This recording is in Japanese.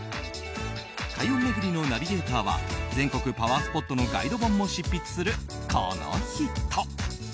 開運巡りのナビゲーターは全国パワースポットのガイド本も執筆するこの人。